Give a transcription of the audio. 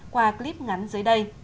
qua clip ngắn dưới đây